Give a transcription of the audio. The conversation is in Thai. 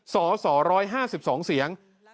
สส๑๕๒เสียง